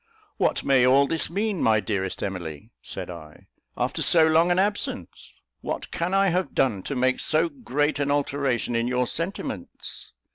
"What may all this mean, my dearest Emily," said I, "after so long an absence? What can I have done to make so great an alteration in your sentiments?